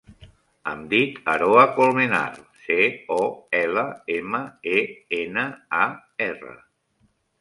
Em dic Aroa Colmenar: ce, o, ela, ema, e, ena, a, erra.